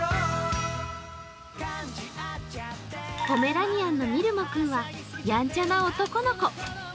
ポメラニアンのみるも君はやんちゃな男の子。